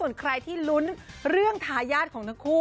ส่วนใครที่ลุ้นเรื่องทายาทของทั้งคู่